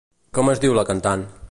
Com es diu la cantant?